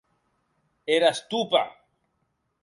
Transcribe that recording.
Era estopa!